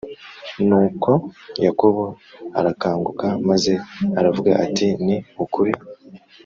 Nuko Yakobo arakanguka maze aravuga ati ni ukuri